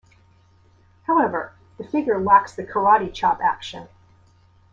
However, the figure lacks the karate chop action.